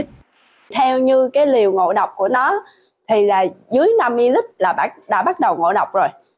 theo như liều ngộ độc của nó dưới năm ml là đã bắt đầu ngộ độc rồi